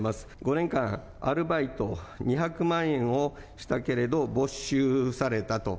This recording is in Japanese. ５年間、アルバイト、２００万円をしたけれど、没収されたと。